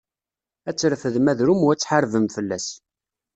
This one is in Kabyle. Ad trefdem adrum u ad tḥarbem fell-as.